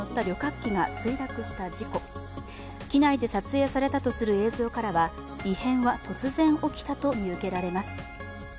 機内で撮影されたとする映像からは異変は突然起きたと見受けられます。